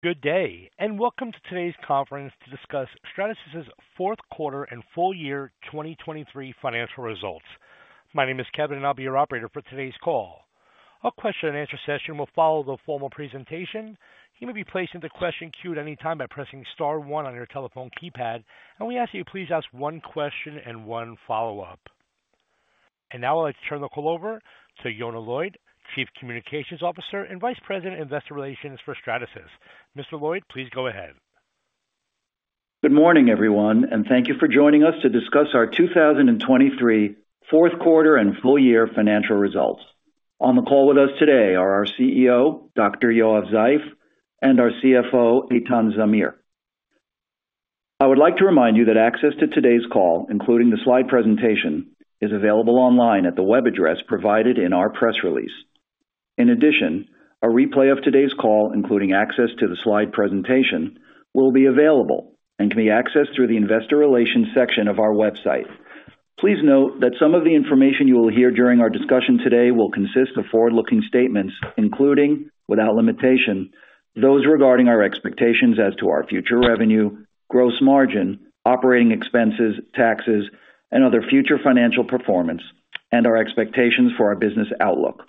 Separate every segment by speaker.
Speaker 1: Good day, and welcome to today's conference to discuss Stratasys' fourth quarter and full year 2023 financial results. My name is Kevin, and I'll be your operator for today's call. A question and answer session will follow the formal presentation. You may be placed into question queue at any time by pressing star one on your telephone keypad, and we ask that you please ask one question and one follow-up. And now I'd like to turn the call over to Yonah Lloyd, Chief Communications Officer and Vice President of Investor Relations for Stratasys. Mr. Lloyd, please go ahead.
Speaker 2: Good morning, everyone, and thank you for joining us to discuss our 2023 fourth quarter and full year financial results. On the call with us today are our CEO, Dr. Yoav Zeif, and our CFO, Eitan Zamir. I would like to remind you that access to today's call, including the slide presentation, is available online at the web address provided in our press release. In addition, a replay of today's call, including access to the slide presentation, will be available and can be accessed through the investor relations section of our website. Please note that some of the information you will hear during our discussion today will consist of forward-looking statements, including, without limitation, those regarding our expectations as to our future revenue, gross margin, operating expenses, taxes, and other future financial performance, and our expectations for our business outlook.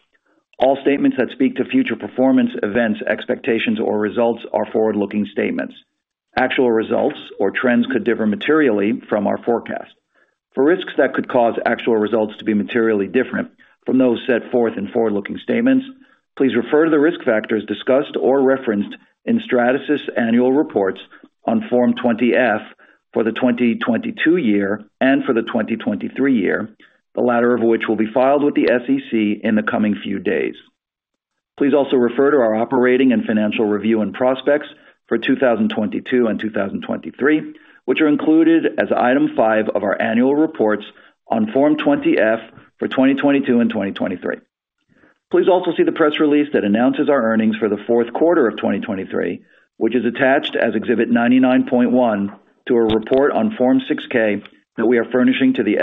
Speaker 2: All statements that speak to future performance, events, expectations, or results are forward-looking statements. Actual results or trends could differ materially from our forecast. For risks that could cause actual results to be materially different from those set forth in forward-looking statements, please refer to the risk factors discussed or referenced in Stratasys annual reports on Form 20-F for the 2022 year and for the 2023 year, the latter of which will be filed with the SEC in the coming few days. Please also refer to our operating and financial review and prospects for 2022 and 2023, which are included as Item 5 of our annual reports on Form 20-F for 2022 and 2023. Please also see the press release that announces our earnings for the fourth quarter of 2023, which is attached as Exhibit 99.1 to a report on Form 6-K that we are furnishing to the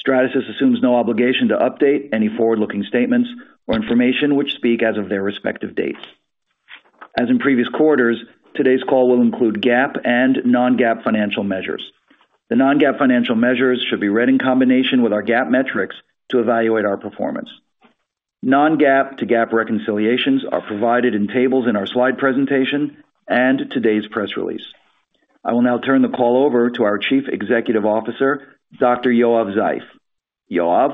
Speaker 2: SEC today. Stratasys assumes no obligation to update any forward-looking statements or information which speak as of their respective dates. As in previous quarters, today's call will include GAAP and non-GAAP financial measures. The non-GAAP financial measures should be read in combination with our GAAP metrics to evaluate our performance. Non-GAAP to GAAP reconciliations are provided in tables in our slide presentation and today's press release. I will now turn the call over to our Chief Executive Officer, Dr. Yoav Zeif. Yoav?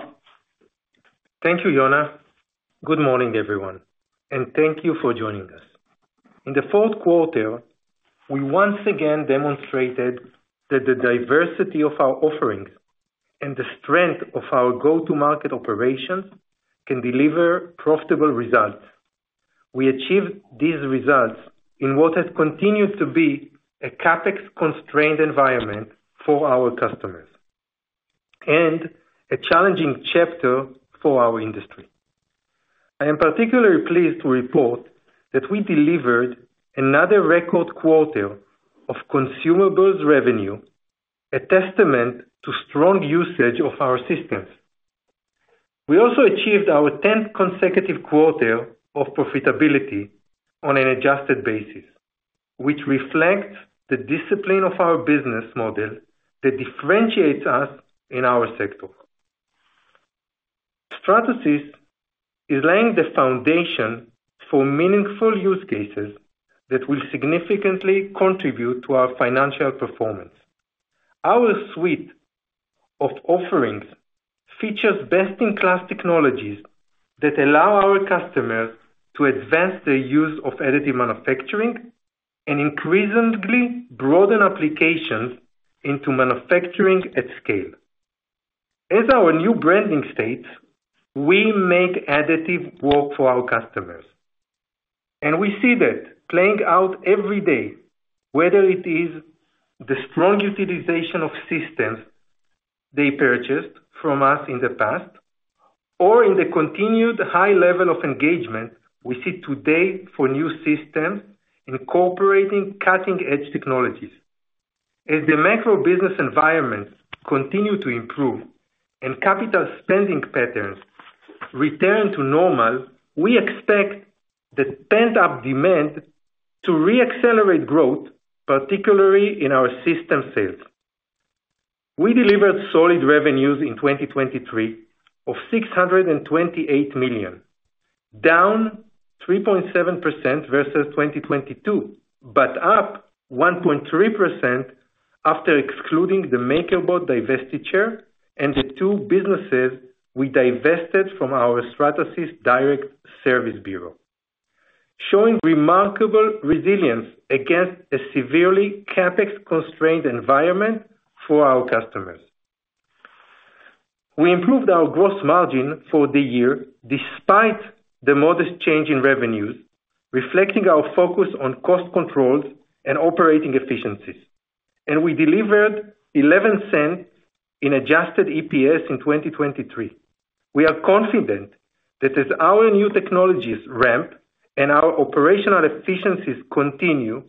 Speaker 3: Thank you, Yona. Good morning, everyone, and thank you for joining us. In the fourth quarter, we once again demonstrated that the diversity of our offerings and the strength of our go-to-market operations can deliver profitable results. We achieved these results in what has continued to be a CapEx-constrained environment for our customers and a challenging chapter for our industry. I am particularly pleased to report that we delivered another record quarter of consumables revenue, a testament to strong usage of our systems. We also achieved our tenth consecutive quarter of profitability on an adjusted basis, which reflects the discipline of our business model that differentiates us in our sector. Stratasys is laying the foundation for meaningful use cases that will significantly contribute to our financial performance. Our suite of offerings features best-in-class technologies that allow our customers to advance their use of additive manufacturing and increasingly broaden applications into manufacturing at scale. As our new branding states, we make additive work for our customers, and we see that playing out every day, whether it is the strong utilization of systems they purchased from us in the past or in the continued high level of engagement we see today for new systems incorporating cutting-edge technologies. As the macro business environment continue to improve and capital spending patterns return to normal, we expect the pent-up demand to re-accelerate growth, particularly in our system sales. We delivered solid revenues in 2023 of $628 million, down 3.7% versus 2022, but up 1.3% after excluding the MakerBot divestiture and the two businesses we divested from our Stratasys Direct Service Bureau, showing remarkable resilience against a severely CapEx-constrained environment for our customers. We improved our gross margin for the year despite the modest change in revenues, reflecting our focus on cost controls and operating efficiencies, and we delivered $0.11 in adjusted EPS in 2023. We are confident that as our new technologies ramp and our operational efficiencies continue,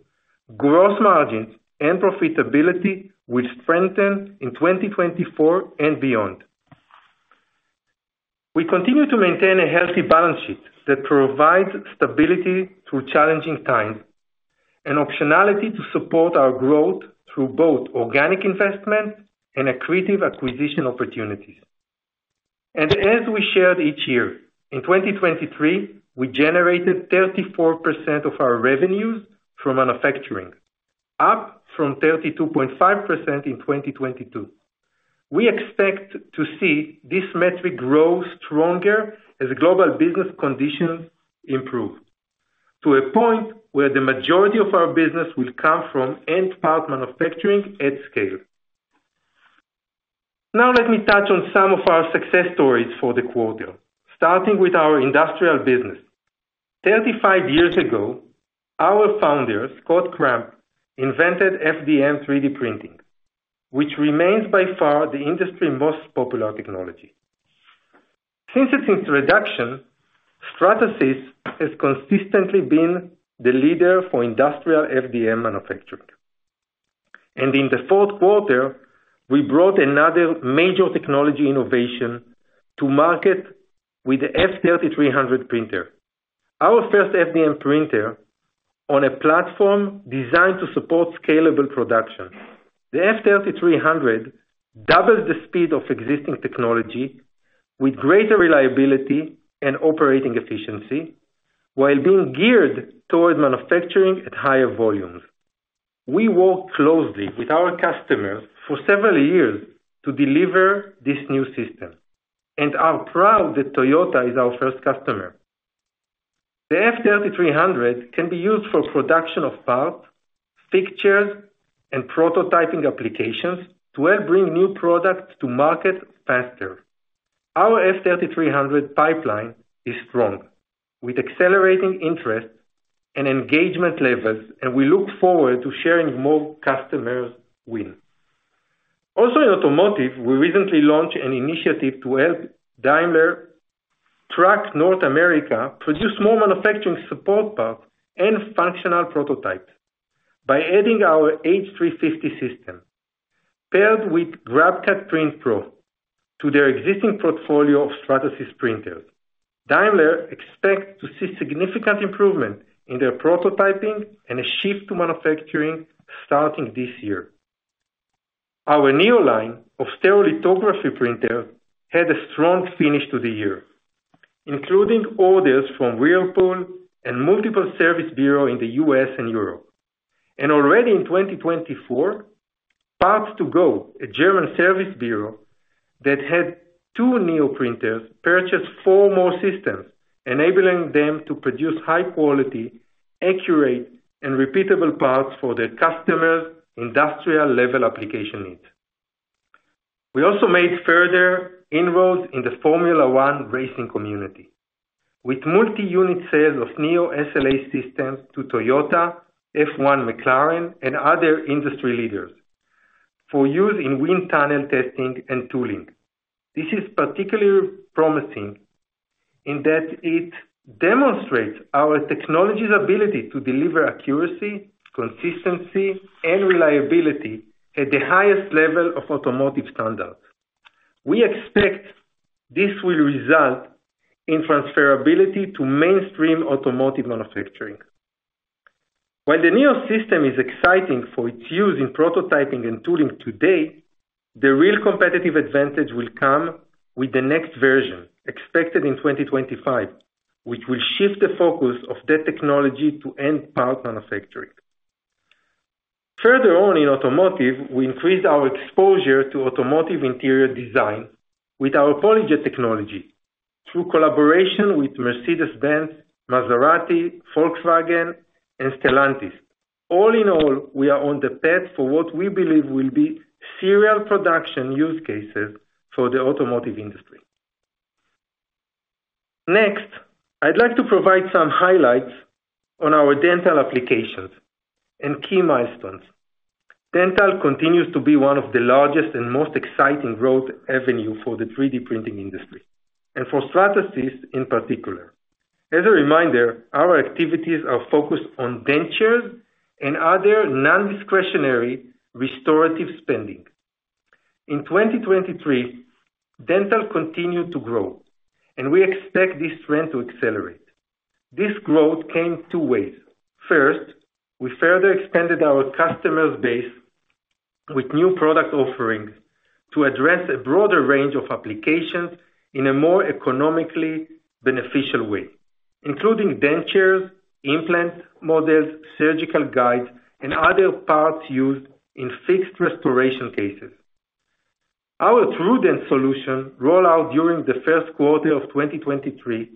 Speaker 3: gross margins and profitability will strengthen in 2024 and beyond. We continue to maintain a healthy balance sheet that provides stability through challenging times, and optionality to support our growth through both organic investment and accretive acquisition opportunities. And as we shared each year, in 2023, we generated 34% of our revenues from manufacturing, up from 32.5% in 2022. We expect to see this metric grow stronger as global business conditions improve, to a point where the majority of our business will come from end part manufacturing at scale. Now, let me touch on some of our success stories for the quarter, starting with our industrial business. 35 years ago, our founder, Scott Crump, invented FDM 3D printing, which remains by far the industry's most popular technology. Since its introduction, Stratasys has consistently been the leader for industrial FDM manufacturing. And in the fourth quarter, we brought another major technology innovation to market with the F3300 printer. Our first FDM printer on a platform designed to support scalable production. The F3300 doubles the speed of existing technology with greater reliability and operating efficiency, while being geared towards manufacturing at higher volumes. We worked closely with our customers for several years to deliver this new system, and are proud that Toyota is our first customer. The F3300 can be used for production of parts, fixtures, and prototyping applications to help bring new products to market faster. Our F3300 pipeline is strong, with accelerating interest and engagement levels, and we look forward to sharing more customers wins. Also, in automotive, we recently launched an initiative to help Daimler Trucks North America produce more manufacturing support parts and functional prototypes. By adding our H350 system, paired with GrabCAD Print Pro, to their existing portfolio of Stratasys printers. Daimler expects to see significant improvement in their prototyping and a shift to manufacturing starting this year. Our Neo line of stereolithography printers had a strong finish to the year, including orders from Whirlpool and multiple service bureaus in the U.S. and Europe. Already in 2024, Parts To Go, a German service bureau that had two Neo printers, purchased four more systems, enabling them to produce high quality, accurate, and repeatable parts for their customers' industrial level application needs. We also made further inroads in the Formula One racing community, with multi-unit sales of Neo SLA systems to Toyota, F1 McLaren, and other industry leaders for use in wind tunnel testing and tooling. This is particularly promising in that it demonstrates our technology's ability to deliver accuracy, consistency, and reliability at the highest level of automotive standards. We expect this will result in transferability to mainstream automotive manufacturing. While the new system is exciting for its use in prototyping and tooling today, the real competitive advantage will come with the next version, expected in 2025, which will shift the focus of that technology to end part manufacturing. Further on in automotive, we increased our exposure to automotive interior design with our PolyJet technology through collaboration with Mercedes-Benz, Maserati, Volkswagen, and Stellantis. All in all, we are on the path for what we believe will be serial production use cases for the automotive industry. Next, I'd like to provide some highlights on our dental applications and key milestones. Dental continues to be one of the largest and most exciting growth avenue for the 3D printing industry, and for Stratasys in particular. As a reminder, our activities are focused on dentures and other non-discretionary restorative spending. In 2023, dental continued to grow, and we expect this trend to accelerate. This growth came two ways. First, we further expanded our customer base with new product offerings to address a broader range of applications in a more economically beneficial way, including dentures, implant models, surgical guides, and other parts used in fixed restoration cases. Our TrueDent solution, rolled out during the first quarter of 2023,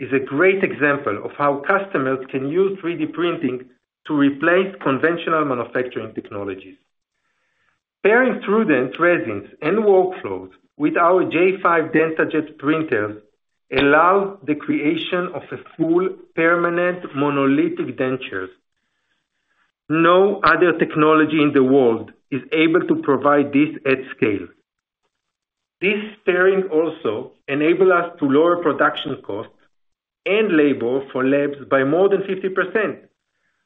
Speaker 3: is a great example of how customers can use 3D printing to replace conventional manufacturing technologies. Pairing TrueDent resins and workflows with our J5 DentaJet printers allows the creation of a full, permanent, monolithic denture. No other technology in the world is able to provide this at scale. This pairing also enables us to lower production costs and labor for labs by more than 50%,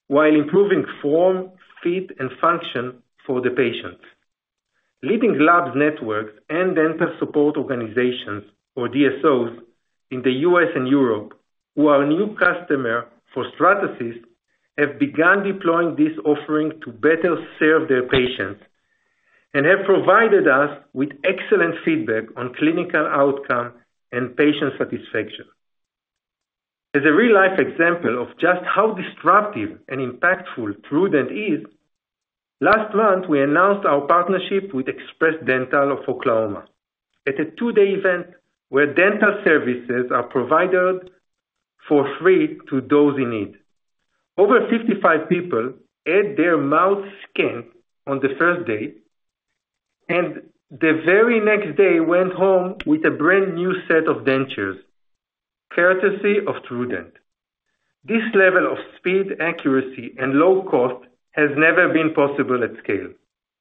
Speaker 3: while improving form, fit, and function for the patients. Leading lab networks and dental support organizations, or DSOs, in the U.S. and Europe, who are a new customer for Stratasys, have begun deploying this offering to better serve their patients, and have provided us with excellent feedback on clinical outcome and patient satisfaction. As a real-life example of just how disruptive and impactful TrueDent is, last month, we announced our partnership with Express Dental of Oklahoma, at a two-day event, where dental services are provided for free to those in need. Over 55 people had their mouth scanned on the first day, and the very next day, went home with a brand-new set of dentures, courtesy of TrueDent. This level of speed, accuracy, and low cost has never been possible at scale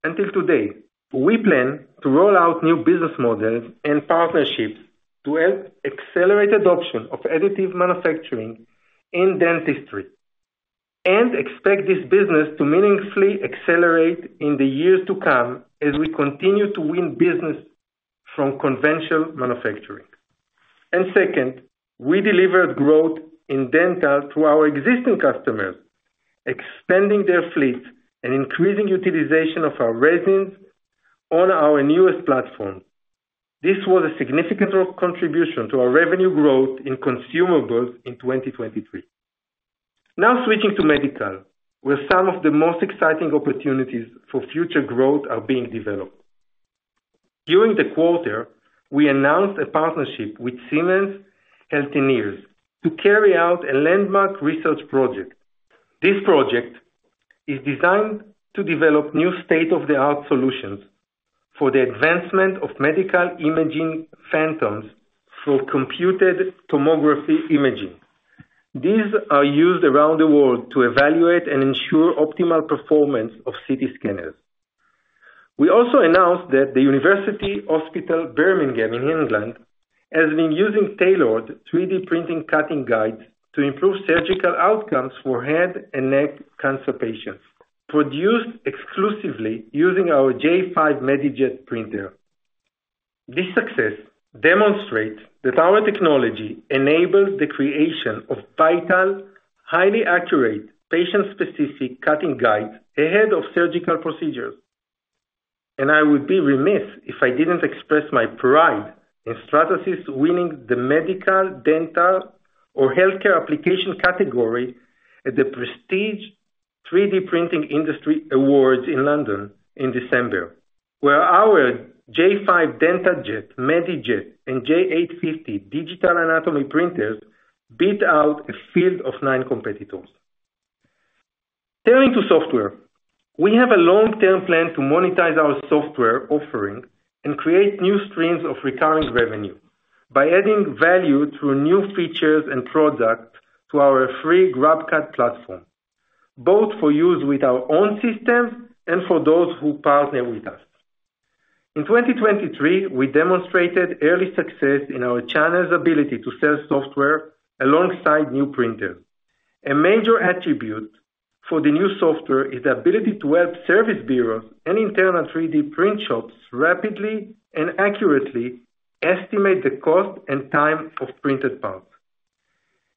Speaker 3: until today. We plan to roll out new business models and partnerships to help accelerate adoption of additive manufacturing in dentistry, and expect this business to meaningfully accelerate in the years to come as we continue to win business from conventional manufacturing. Second, we delivered growth in dental to our existing customers, expanding their fleet and increasing utilization of our resins on our newest platform. This was a significant contribution to our revenue growth in consumables in 2023. Now switching to medical, where some of the most exciting opportunities for future growth are being developed. During the quarter, we announced a partnership with Siemens Healthineers to carry out a landmark research project. This project is designed to develop new state-of-the-art solutions for the advancement of medical imaging phantoms for computed tomography imaging. These are used around the world to evaluate and ensure optimal performance of CT scanners. We also announced that the University Hospital Birmingham, in England, has been using tailored 3D printing cutting guides to improve surgical outcomes for head and neck cancer patients, produced exclusively using our J5 MediJet printer. This success demonstrates that our technology enables the creation of vital, highly accurate, patient-specific cutting guides ahead of surgical procedures. And I would be remiss if I didn't express my pride in Stratasys winning the Medical, Dental or Healthcare Application category at the prestigious 3D Printing Industry Awards in London in December, where our J5 DentaJet, MediJet, and J850 Digital Anatomy printers beat out a field of 9 competitors. Turning to software, we have a long-term plan to monetize our software offering and create new streams of recurring revenue by adding value through new features and products to our free GrabCAD platform, both for use with our own systems and for those who partner with us. In 2023, we demonstrated early success in our channel's ability to sell software alongside new printers. A major attribute for the new software is the ability to help service bureaus and internal 3D print shops rapidly and accurately estimate the cost and time of printed parts.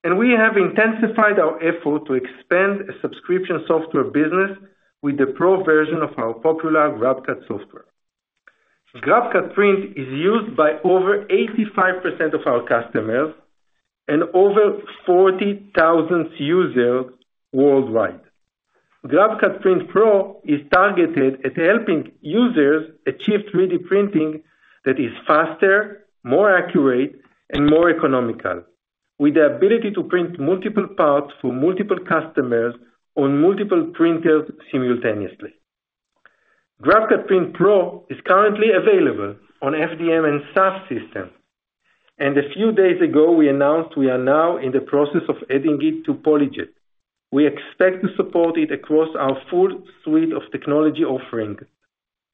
Speaker 3: And we have intensified our effort to expand a subscription software business with the Pro version of our popular GrabCAD software. GrabCAD Print is used by over 85% of our customers and over 40,000 users worldwide. GrabCAD Print Pro is targeted at helping users achieve 3D printing that is faster, more accurate, and more economical, with the ability to print multiple parts for multiple customers on multiple printers simultaneously. GrabCAD Print Pro is currently available on FDM and SAF systems, and a few days ago, we announced we are now in the process of adding it to PolyJet. We expect to support it across our full suite of technology offerings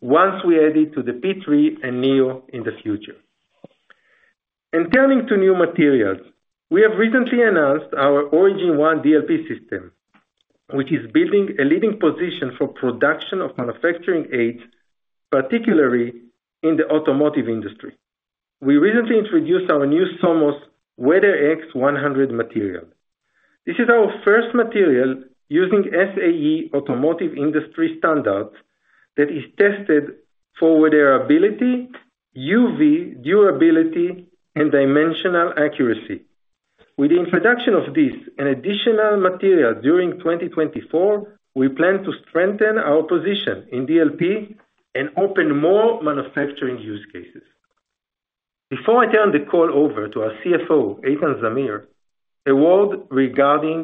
Speaker 3: once we add it to the P3 and Neo in the future. Turning to new materials, we have recently announced our Origin One DLP system, which is building a leading position for production of manufacturing aids, particularly in the automotive industry. We recently introduced our new Somos WeatherX 100 material. This is our first material using SAE automotive industry standards that is tested for weatherability, UV durability, and dimensional accuracy. With the introduction of this and additional materials during 2024, we plan to strengthen our position in DLP and open more manufacturing use cases. Before I turn the call over to our CFO, Eitan Zamir, a word regarding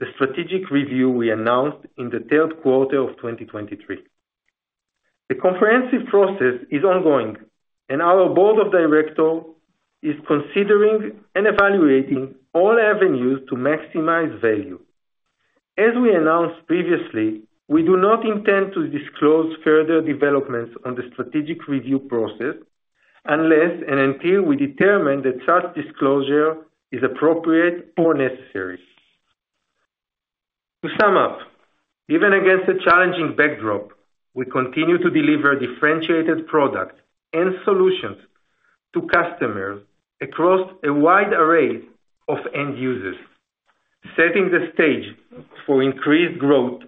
Speaker 3: the strategic review we announced in the third quarter of 2023. The comprehensive process is ongoing, and our board of directors is considering and evaluating all avenues to maximize value. As we announced previously, we do not intend to disclose further developments on the strategic review process, unless and until we determine that such disclosure is appropriate or necessary. To sum up, even against a challenging backdrop, we continue to deliver differentiated products and solutions to customers across a wide array of end users, setting the stage for increased growth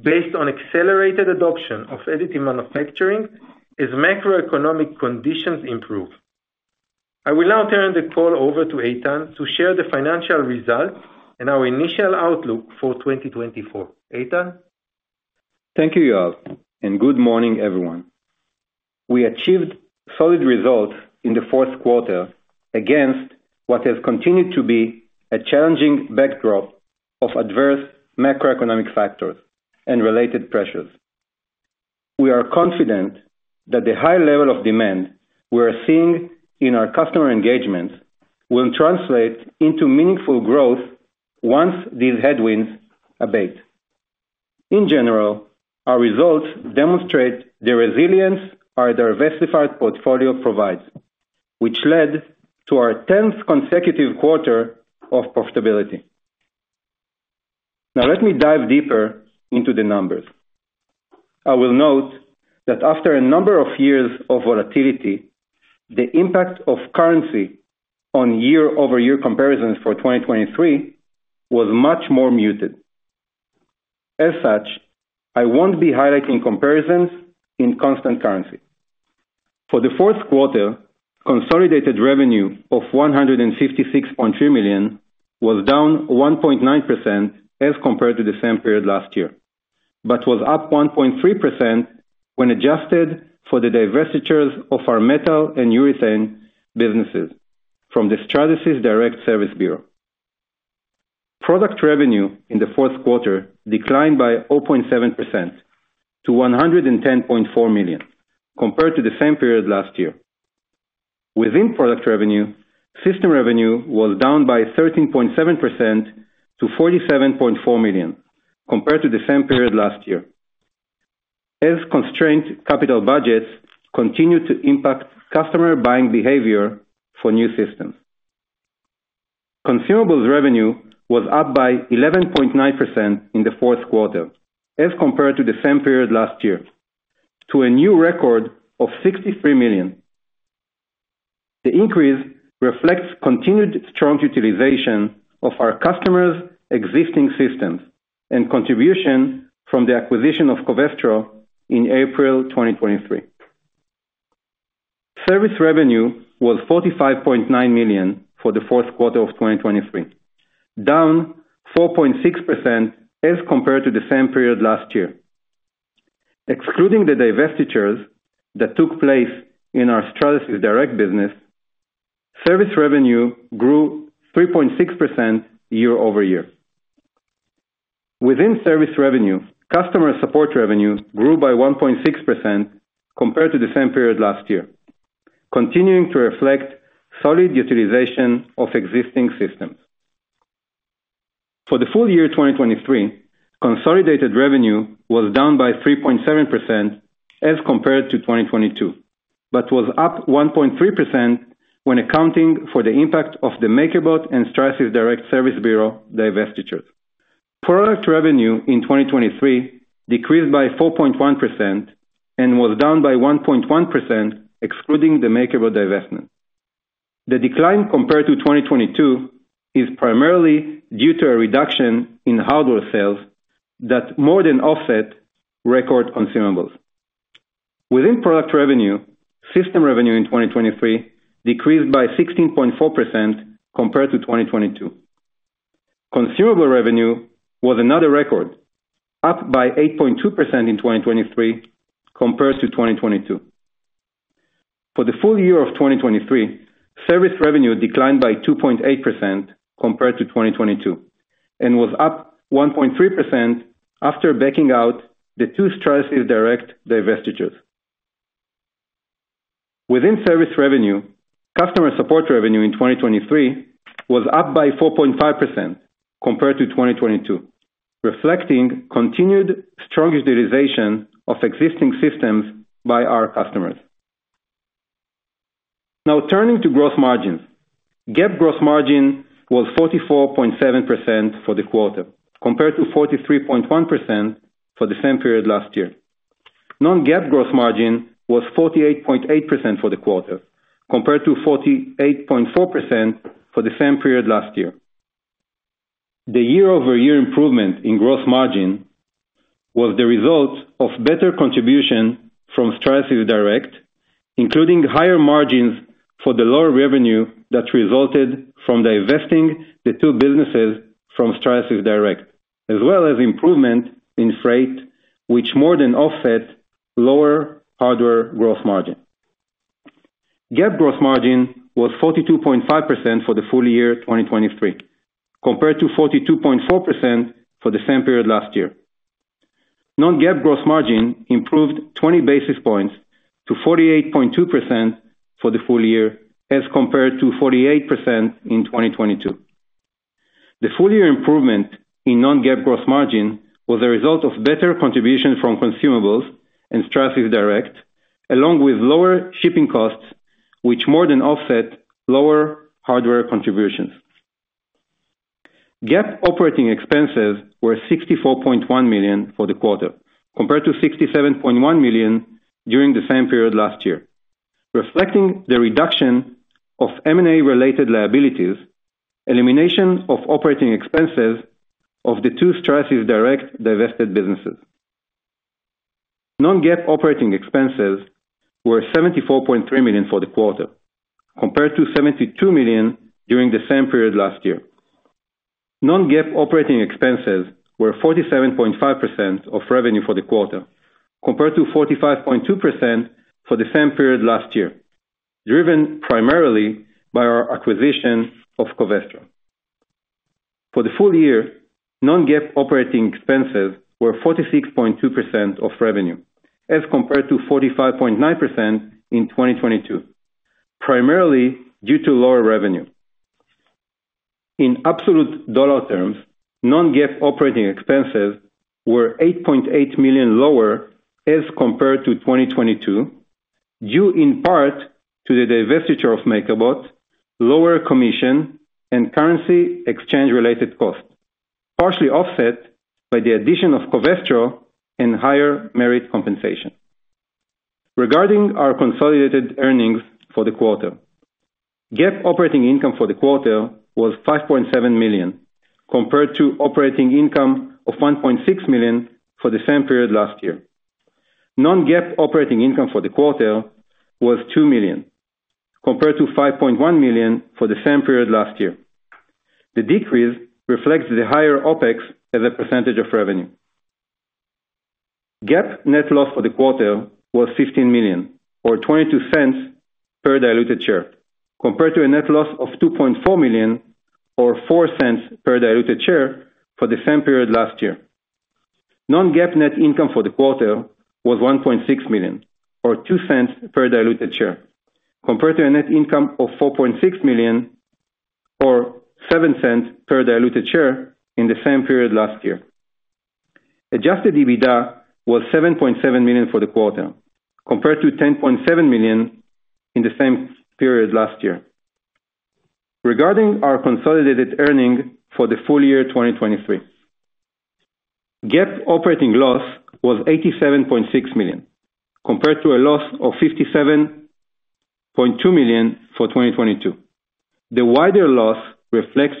Speaker 3: based on accelerated adoption of additive manufacturing as macroeconomic conditions improve. I will now turn the call over to Eitan to share the financial results and our initial outlook for 2024. Eitan?
Speaker 4: Thank you, Yoav, and good morning, everyone. We achieved solid results in the fourth quarter against what has continued to be a challenging backdrop of adverse macroeconomic factors and related pressures. We are confident that the high level of demand we are seeing in our customer engagements will translate into meaningful growth once these headwinds abate. In general, our results demonstrate the resilience our diversified portfolio provides, which led to our tenth consecutive quarter of profitability. Now, let me dive deeper into the numbers. I will note that after a number of years of volatility, the impact of currency on year-over-year comparisons for 2023 was much more muted. As such, I won't be highlighting comparisons in constant currency. For the fourth quarter, consolidated revenue of $156.3 million was down 1.9% as compared to the same period last year, but was up 1.3% when adjusted for the divestitures of our metal and urethane businesses from the Stratasys Direct Service Bureau. Product revenue in the fourth quarter declined by 0.7% to $110.4 million, compared to the same period last year. Within product revenue, system revenue was down by 13.7% to $47.4 million, compared to the same period last year, as constrained capital budgets continued to impact customer buying behavior for new systems. Consumables revenue was up by 11.9% in the fourth quarter, as compared to the same period last year, to a new record of $63 million. The increase reflects continued strong utilization of our customers' existing systems and contribution from the acquisition of Covestro in April 2023. Service revenue was $45.9 million for the fourth quarter of 2023, down 4.6% as compared to the same period last year. Excluding the divestitures that took place in our Stratasys Direct business, service revenue grew 3.6% year over year. Within service revenue, customer support revenue grew by 1.6% compared to the same period last year, continuing to reflect solid utilization of existing systems. For the full year 2023, consolidated revenue was down by 3.7% as compared to 2022, but was up 1.3% when accounting for the impact of the MakerBot and Stratasys Direct Service Bureau divestitures. Product revenue in 2023 decreased by 4.1% and was down by 1.1%, excluding the MakerBot divestment. The decline compared to 2022 is primarily due to a reduction in hardware sales that more than offset record consumables. Within product revenue, system revenue in 2023 decreased by 16.4% compared to 2022. Consumable revenue was another record, up by 8.2% in 2023 compared to 2022. For the full year of 2023, service revenue declined by 2.8% compared to 2022, and was up 1.3% after backing out the two Stratasys Direct divestitures. Within service revenue, customer support revenue in 2023 was up by 4.5% compared to 2022, reflecting continued strong utilization of existing systems by our customers. Now, turning to gross margins. GAAP gross margin was 44.7% for the quarter, compared to 43.1% for the same period last year. Non-GAAP gross margin was 48.8% for the quarter, compared to 48.4% for the same period last year. The year-over-year improvement in gross margin was the result of better contribution from Stratasys Direct, including higher margins for the lower revenue that resulted from divesting the two businesses from Stratasys Direct, as well as improvement in freight, which more than offset lower hardware gross margin. GAAP gross margin was 42.5% for the full year 2023, compared to 42.4% for the same period last year. Non-GAAP gross margin improved 20 basis points to 48.2% for the full year, as compared to 48% in 2022. The full year improvement in non-GAAP gross margin was a result of better contribution from consumables and Stratasys Direct, along with lower shipping costs, which more than offset lower hardware contributions. GAAP operating expenses were $64.1 million for the quarter, compared to $67.1 million during the same period last year, reflecting the reduction of M&A-related liabilities, elimination of operating expenses of the two Stratasys Direct divested businesses. Non-GAAP operating expenses were $74.3 million for the quarter, compared to $72 million during the same period last year. Non-GAAP operating expenses were 47.5% of revenue for the quarter, compared to 45.2% for the same period last year, driven primarily by our acquisition of Covestro. For the full year, non-GAAP operating expenses were 46.2% of revenue, as compared to 45.9% in 2022, primarily due to lower revenue. In absolute dollar terms, non-GAAP operating expenses were $8.8 million lower as compared to 2022, due in part to the divestiture of MakerBot, lower commission, and currency exchange related costs, partially offset by the addition of Covestro and higher merit compensation. Regarding our consolidated earnings for the quarter, GAAP operating income for the quarter was $5.7 million, compared to operating income of $1.6 million for the same period last year. Non-GAAP operating income for the quarter was $2 million, compared to $5.1 million for the same period last year. The decrease reflects the higher OpEx as a percentage of revenue. GAAP net loss for the quarter was $15 million, or $0.22 per diluted share, compared to a net loss of $2.4 million or $0.04 per diluted share for the same period last year. Non-GAAP net income for the quarter was $1.6 million, or $0.02 per diluted share, compared to a net income of $4.6 million or $0.07 per diluted share in the same period last year. Adjusted EBITDA was $7.7 million for the quarter, compared to $10.7 million in the same period last year. Regarding our consolidated earnings for the full year 2023, GAAP operating loss was $87.6 million, compared to a loss of $57.2 million for 2022. The wider loss reflects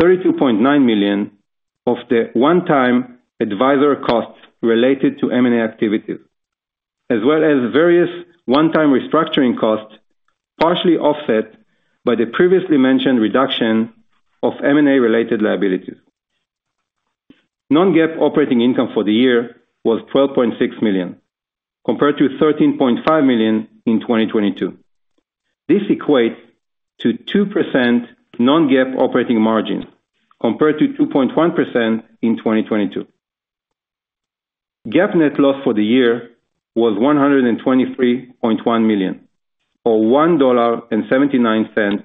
Speaker 4: $32.9 million of the one-time advisor costs related to M&A activities, as well as various one-time restructuring costs, partially offset by the previously mentioned reduction of M&A-related liabilities. Non-GAAP operating income for the year was $12.6 million, compared to $13.5 million in 2022. This equates to 2% non-GAAP operating margin, compared to 2.1% in 2022. GAAP net loss for the year was $123.1 million, or $1.79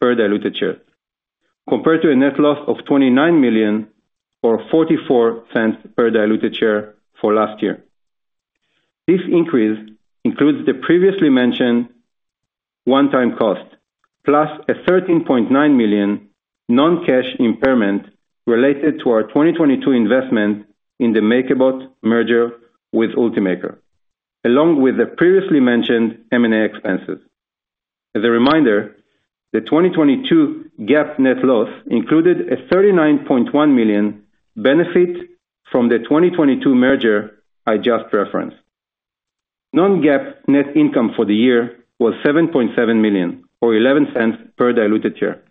Speaker 4: per diluted share, compared to a net loss of $29 million or $0.44 per diluted share for last year. This increase includes the previously mentioned one-time cost, plus a $13.9 million non-cash impairment related to our 2022 investment in the MakerBot merger with Ultimaker, along with the previously mentioned M&A expenses. As a reminder, the 2022 GAAP net loss included a $39.1 million benefit from the 2022 merger I just referenced. Non-GAAP net income for the year was $7.7 million, or $0.11 per diluted share,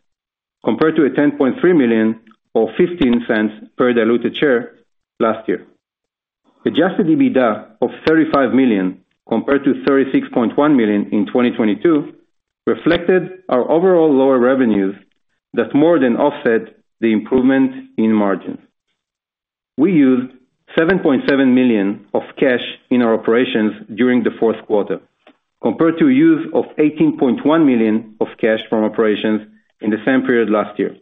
Speaker 4: compared to $10.3 million, or $0.15 per diluted share last year. Adjusted EBITDA of $35 million, compared to $36.1 million in 2022, reflected our overall lower revenues that more than offset the improvement in margins. We used $7.7 million of cash in our operations during the fourth quarter, compared to a use of $18.1 million of cash from operations in the same period last year.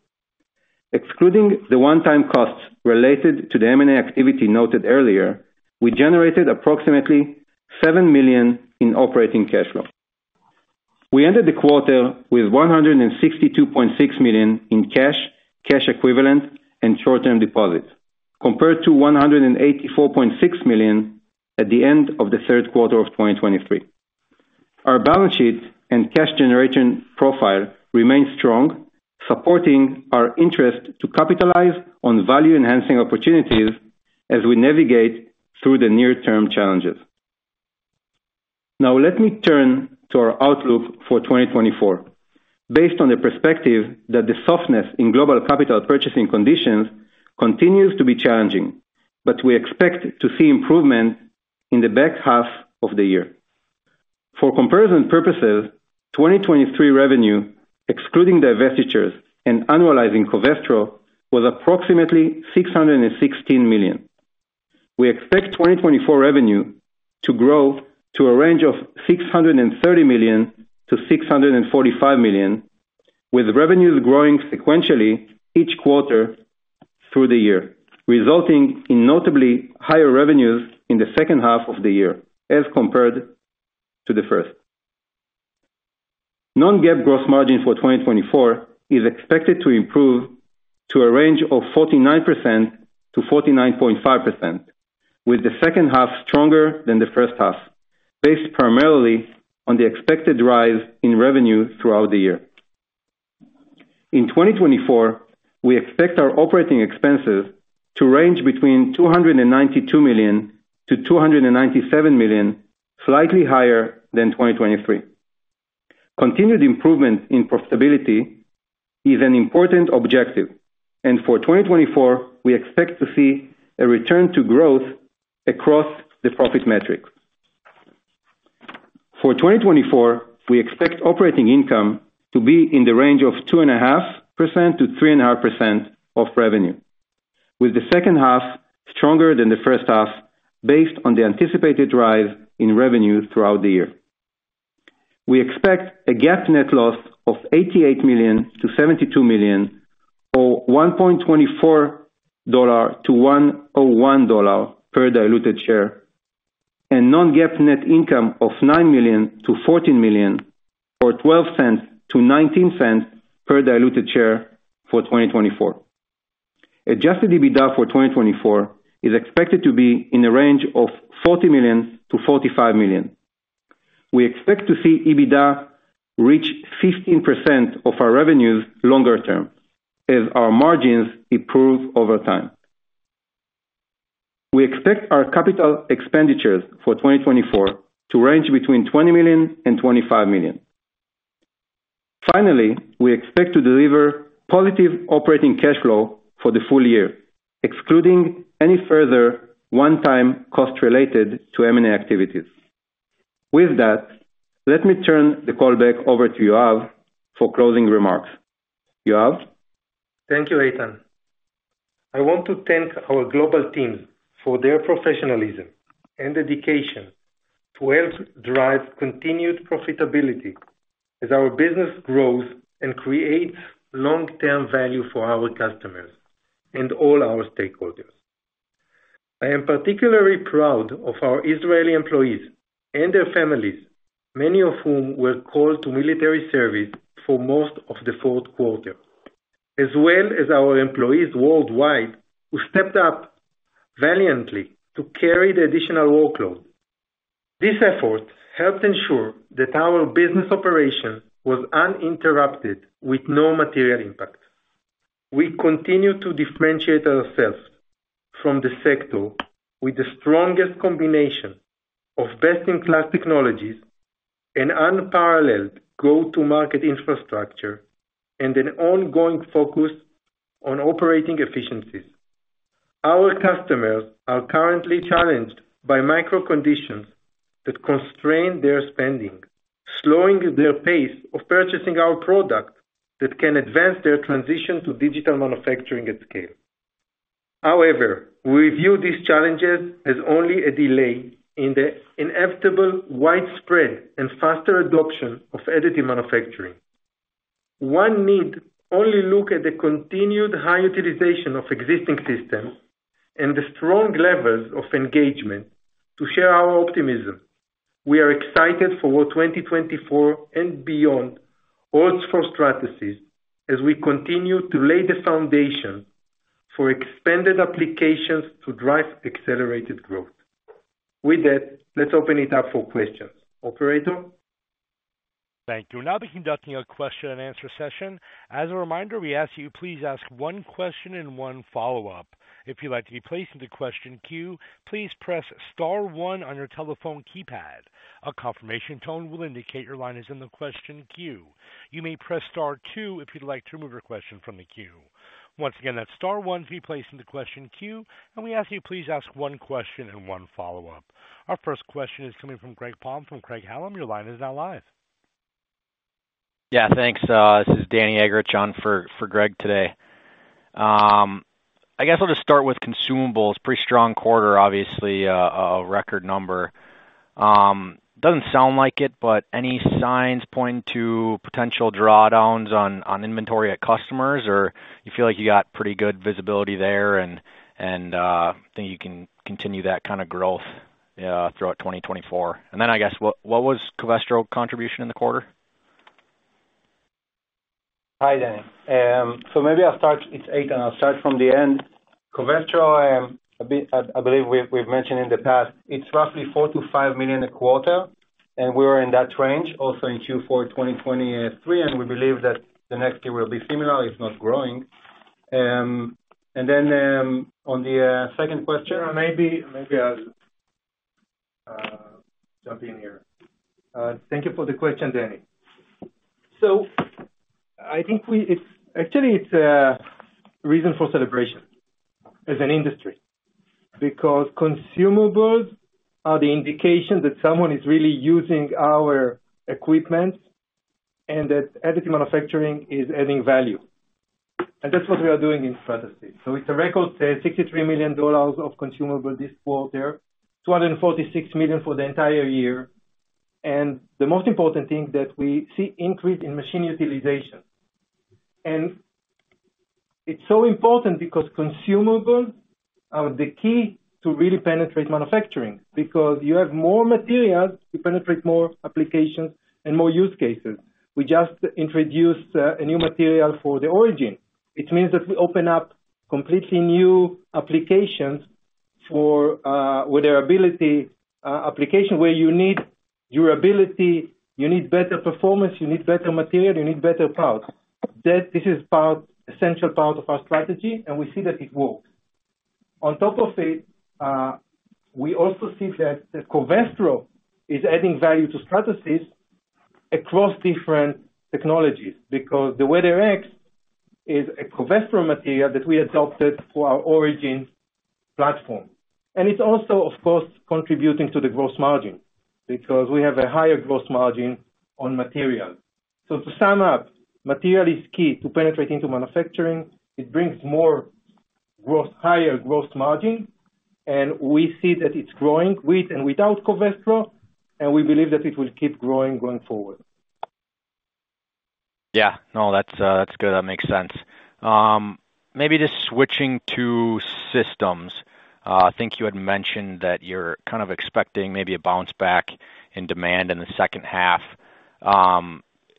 Speaker 4: Excluding the one-time costs related to the M&A activity noted earlier, we generated approximately $7 million in operating cash flow. We ended the quarter with $162.6 million in cash, cash equivalent, and short-term deposits, compared to $184.6 million at the end of the third quarter of 2023. Our balance sheet and cash generation profile remains strong, supporting our interest to capitalize on value-enhancing opportunities as we navigate through the near-term challenges. Now, let me turn to our outlook for 2024. Based on the perspective that the softness in global capital purchasing conditions continues to be challenging, but we expect to see improvement in the back half of the year.... For comparison purposes, 2023 revenue, excluding divestitures and annualizing Covestro, was approximately $616 million. We expect 2024 revenue to grow to a range of $630 million-$645 million, with revenues growing sequentially each quarter through the year, resulting in notably higher revenues in the second half of the year as compared to the first. Non-GAAP gross margin for 2024 is expected to improve to a range of 49%-49.5%, with the second half stronger than the first half, based primarily on the expected rise in revenue throughout the year. In 2024, we expect our operating expenses to range between $292 million-$297 million, slightly higher than 2023. Continued improvement in profitability is an important objective, and for 2024, we expect to see a return to growth across the profit metrics. For 2024, we expect operating income to be in the range of 2.5%-3.5% of revenue, with the second half stronger than the first half, based on the anticipated rise in revenue throughout the year. We expect a GAAP net loss of $88 million-$72 million, or -$1.24 to -$1.01 per diluted share, and non-GAAP net income of $9 million-$14 million, or $0.12-$0.19 per diluted share for 2024. Adjusted EBITDA for 2024 is expected to be in the range of $40 million-$45 million. We expect to see EBITDA reach 15% of our revenues longer term, as our margins improve over time. We expect our capital expenditures for 2024 to range between $20 million and $25 million. Finally, we expect to deliver positive operating cash flow for the full year, excluding any further one-time cost related to M&A activities. With that, let me turn the call back over to Yoav for closing remarks. Yoav?
Speaker 3: Thank you, Eitan. I want to thank our global teams for their professionalism and dedication to help drive continued profitability as our business grows and creates long-term value for our customers and all our stakeholders. I am particularly proud of our Israeli employees and their families, many of whom were called to military service for most of the fourth quarter, as well as our employees worldwide, who stepped up valiantly to carry the additional workload. This effort helped ensure that our business operation was uninterrupted, with no material impact. We continue to differentiate ourselves from the sector with the strongest combination of best-in-class technologies and unparalleled go-to-market infrastructure, and an ongoing focus on operating efficiencies. Our customers are currently challenged by micro conditions that constrain their spending, slowing their pace of purchasing our product, that can advance their transition to digital manufacturing at scale. However, we view these challenges as only a delay in the inevitable widespread and faster adoption of additive manufacturing. One need only look at the continued high utilization of existing systems and the strong levels of engagement to share our optimism. We are excited for what 2024 and beyond holds for Stratasys as we continue to lay the foundation for expanded applications to drive accelerated growth. With that, let's open it up for questions. Operator?
Speaker 1: Thank you. We'll now be conducting a question and answer session. As a reminder, we ask you please ask one question and one follow-up. If you'd like to be placed in the question queue, please press star one on your telephone keypad. A confirmation tone will indicate your line is in the question queue. You may press star two if you'd like to remove your question from the queue. Once again, that's star one to be placed in the question queue, and we ask you please ask one question and one follow-up. Our first question is coming from Greg Palm from Craig-Hallum. Your line is now live.
Speaker 5: Yeah, thanks. This is Danny Eggerichs on for Greg today. I guess I'll just start with consumables. Pretty strong quarter, obviously, a record number. Doesn't sound like it, but any signs pointing to potential drawdowns on inventory at customers, or you feel like you got pretty good visibility there and think you can continue that kind of growth throughout 2024? And then I guess, what was Covestro contribution in the quarter?
Speaker 3: Hi, Danny. So maybe I'll start, it's 8, and I'll start from the end. Covestro, a bit, I believe we've mentioned in the past, it's roughly $4 million-$5 million a quarter, and we're in that range also in Q4 2023, and we believe that the next year will be similar, if not growing. And then, on the second question, maybe I'll jump in here. Thank you for the question, Danny... So I think it's, actually, it's a reason for celebration as an industry, because consumables are the indication that someone is really using our equipment and that additive manufacturing is adding value. And that's what we are doing in Stratasys. So it's a record, say, $63 million of consumables this quarter, $246 million for the entire year. And the most important thing, that we see increase in machine utilization. And it's so important because consumables are the key to really penetrate manufacturing, because you have more materials to penetrate more applications and more use cases. We just introduced a new material for the Origin. It means that we open up completely new applications for, with their ability, application, where you need durability, you need better performance, you need better material, you need better parts. That this is part, essential part of our strategy, and we see that it works. On top of it, we also see that the Covestro is adding value to Stratasys across different technologies, because the WeatherX is a Covestro material that we adopted for our Origin platform. And it's also, of course, contributing to the gross margin, because we have a higher gross margin on materials. To sum up, material is key to penetrating to manufacturing. It brings more growth, higher gross margin, and we see that it's growing with and without Covestro, and we believe that it will keep growing going forward.
Speaker 5: Yeah. No, that's, that's good. That makes sense. Maybe just switching to systems. I think you had mentioned that you're kind of expecting maybe a bounce back in demand in the second half.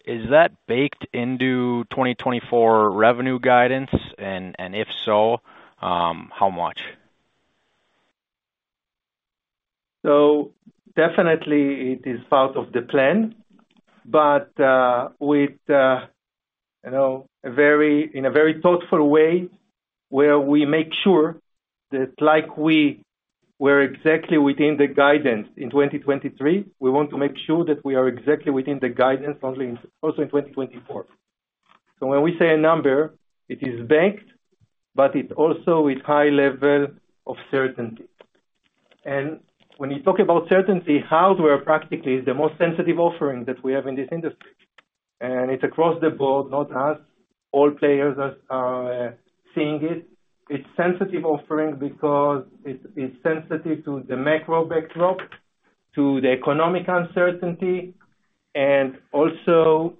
Speaker 5: Is that baked into 2024 revenue guidance? And if so, how much?
Speaker 3: So definitely it is part of the plan, but with, you know, in a very thoughtful way, where we make sure that like we were exactly within the guidance in 2023, we want to make sure that we are exactly within the guidance only in, also in 2024. So when we say a number, it is banked, but it's also with high level of certainty. And when you talk about certainty, hardware, practically, is the most sensitive offering that we have in this industry, and it's across the board, not us. All players are seeing it. It's sensitive offering because it's sensitive to the macro backdrop, to the economic uncertainty, and also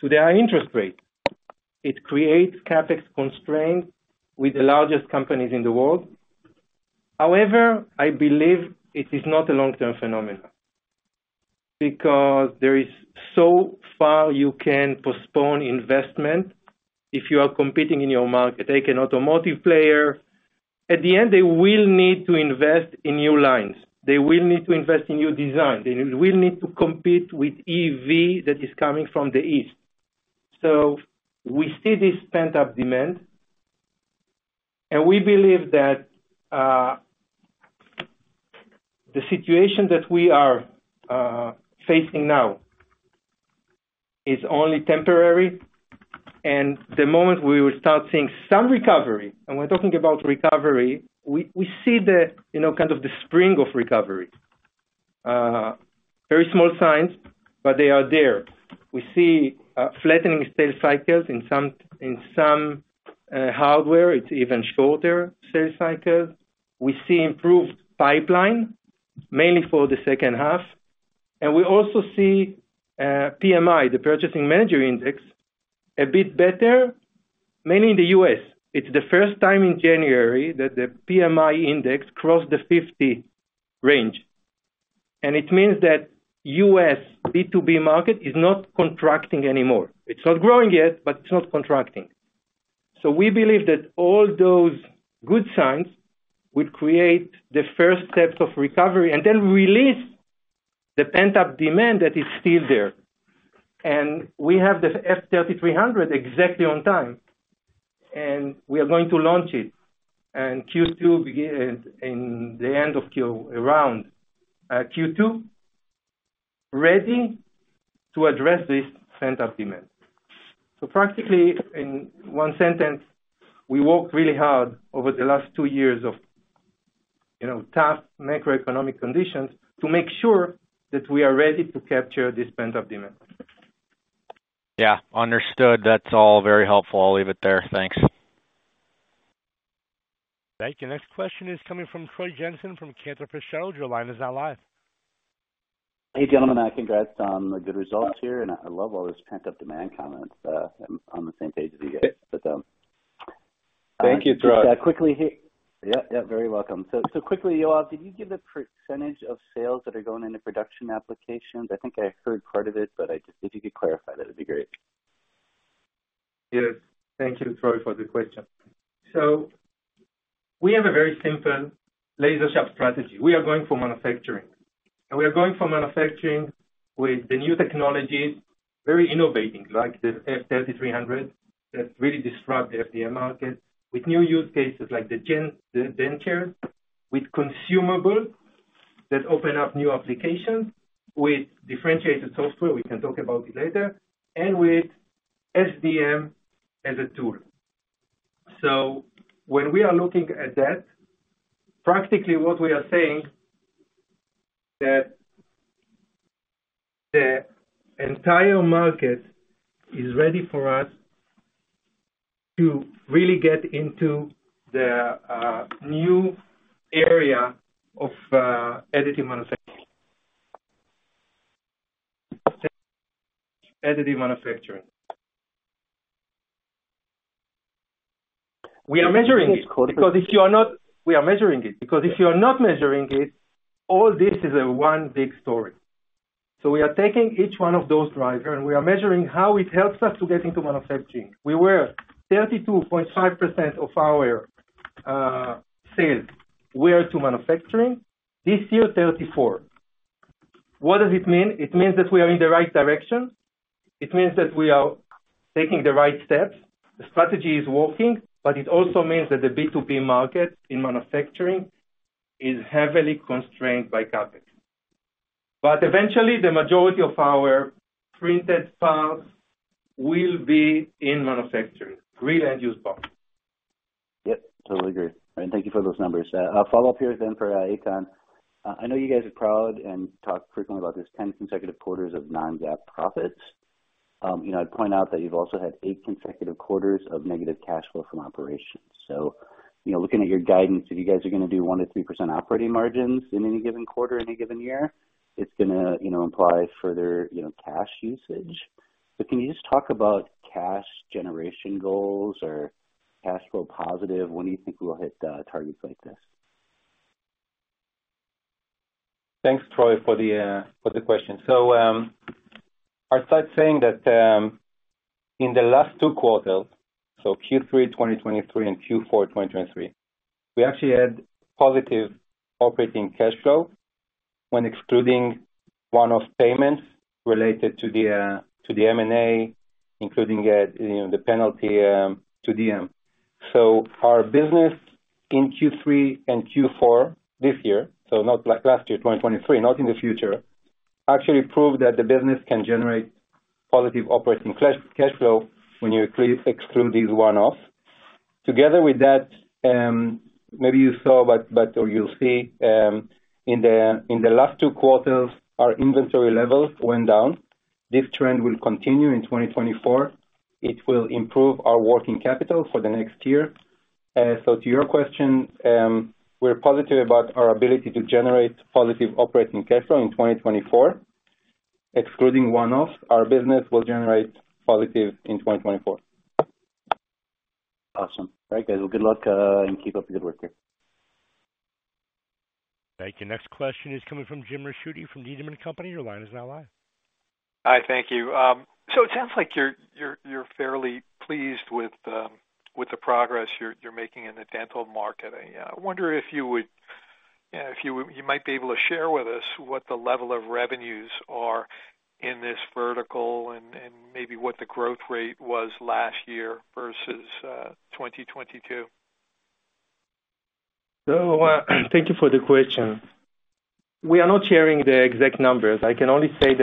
Speaker 3: to the high interest rate. It creates CapEx constraints with the largest companies in the world. However, I believe it is not a long-term phenomenon, because there is so far you can postpone investment if you are competing in your market. Take an automotive player. At the end, they will need to invest in new lines, they will need to invest in new design, they will need to compete with EV that is coming from the east. So we see this pent-up demand, and we believe that, the situation that we are, facing now is only temporary, and the moment we will start seeing some recovery, and we're talking about recovery, we, we see the, you know, kind of the spring of recovery. Very small signs, but they are there. We see, flattening sales cycles in some, in some, hardware, it's even shorter sales cycles. We see improved pipeline, mainly for the second half, and we also see PMI, the Purchasing Managers' Index, a bit better, mainly in the U.S. It's the first time in January that the PMI index crossed the 50 range, and it means that U.S. B2B market is not contracting anymore. It's not growing yet, but it's not contracting. So we believe that all those good signs would create the first steps of recovery and then release the pent-up demand that is still there. And we have the F3300 exactly on time, and we are going to launch it in Q2, in the end of Q2. Around Q2, ready to address this pent-up demand. Practically, in one sentence, we worked really hard over the last two years of, you know, tough macroeconomic conditions to make sure that we are ready to capture this pent-up demand.
Speaker 5: Yeah, understood. That's all very helpful. I'll leave it there. Thanks.
Speaker 1: Thank you. Next question is coming from Troy Jensen, from Cantor Fitzgerald. Your line is now live.
Speaker 6: Hey, gentlemen, congrats on the good results here, and I love all this pent-up demand comments. I'm on the same page as you guys, but,
Speaker 3: Thank you, Troy.
Speaker 6: Quickly here. Yep. Yep, very welcome. So, so quickly, Yoav, did you give a percentage of sales that are going into production applications? I think I heard part of it, but I just... If you could clarify, that would be great.
Speaker 3: Yes, thank you, Troy, for the question. So we have a very simple Stratasys strategy. We are going for manufacturing, and we are going for manufacturing with the new technologies, very innovative, like the F3300, that really disrupt the FDM market with new use cases like the denture, with consumables that open up new applications with differentiated software, we can talk about it later, and with SDM as a tool. So when we are looking at that, practically what we are saying, that the entire market is ready for us to really get into the new area of additive manufacturing. Additive manufacturing. We are measuring it, because if you are not measuring it, all this is one big story. So we are taking each one of those drivers, and we are measuring how it helps us to get into manufacturing. We were 32.5% of our sales were to manufacturing. This year, 34%. What does it mean? It means that we are in the right direction. It means that we are taking the right steps. The strategy is working, but it also means that the B2B market in manufacturing is heavily constrained by CapEx. But eventually, the majority of our printed parts will be in manufacturing, real end-use parts.
Speaker 6: Yep, totally agree, and thank you for those numbers. I'll follow up here then for Eitan. I know you guys are proud and talk frequently about this 10 consecutive quarters of non-GAAP profits. You know, I'd point out that you've also had 8 consecutive quarters of negative cash flow from operations. So, you know, looking at your guidance, if you guys are going to do 1%-3% operating margins in any given quarter, any given year, it's going to, you know, imply further, you know, cash usage. But can you just talk about cash generation goals or cash flow positive? When do you think we'll hit targets like this?
Speaker 3: Thanks, Troy, for the question. So, I'll start saying that, in the last two quarters, so Q3 2023 and Q4 2023, we actually had positive operating cash flow when excluding one-off payments related to the M&A, including, you know, the penalty to DM. So our business in Q3 and Q4 this year, so not like last year, 2023, not in the future, actually proved that the business can generate positive operating cash flow when you exclude these one-offs. Together with that, maybe you saw, but or you'll see, in the last two quarters, our inventory levels went down. This trend will continue in 2024. It will improve our working capital for the next year. To your question, we're positive about our ability to generate positive operating cash flow in 2024. Excluding one-offs, our business will generate positive in 2024.
Speaker 6: Awesome. All right, guys. Well, good luck, and keep up the good work here.
Speaker 1: Thank you. Next question is coming from Jim Ricchiuti from Needham & Company. Your line is now live.
Speaker 7: Hi, thank you. So it sounds like you're fairly pleased with the progress you're making in the dental market. I wonder if you might be able to share with us what the level of revenues are in this vertical and maybe what the growth rate was last year versus 2022.
Speaker 3: So, thank you for the question. We are not sharing the exact numbers. I can only say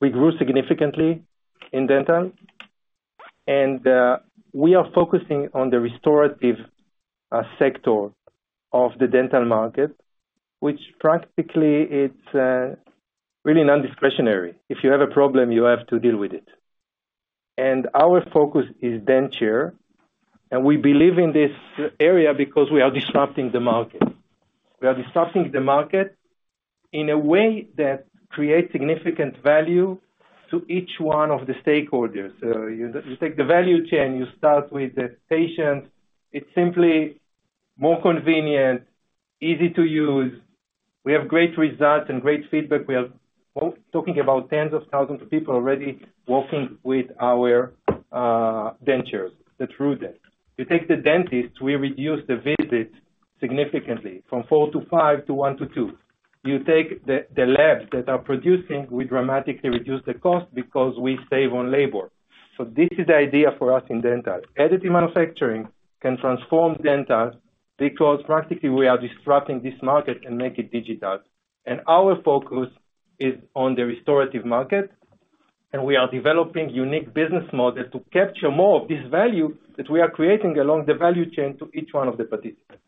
Speaker 3: that, we grew significantly in dental, and, we are focusing on the restorative, sector of the dental market, which practically it's, really non-discretionary. If you have a problem, you have to deal with it. And our focus is denture, and we believe in this area because we are disrupting the market. We are disrupting the market in a way that creates significant value to each one of the stakeholders. You, you take the value chain, you start with the patient. It's simply more convenient, easy to use. We have great results and great feedback. We are talking about tens of thousands of people already working with our, dentures, the TrueDent. You take the dentist, we reduce the visit significantly from 4-5 to 1-2. You take the labs that are producing, we dramatically reduce the cost because we save on labor. So this is the idea for us in dental. Additive Manufacturing can transform dental because practically we are disrupting this market and make it digital. And our focus is on the restorative market, and we are developing unique business model to capture more of this value that we are creating along the value chain to each one of the participants.